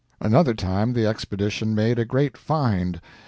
Another time the expedition made a great "find."